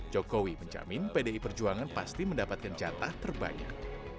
jokowi menjamin pdi perjuangan pasti mendapatkan jatah terbanyak